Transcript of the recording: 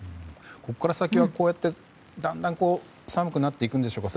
ここから先は、だんだん寒くなっていくんでしょうか。